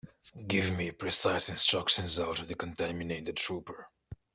Give me precise instructions how to decontaminate the trooper.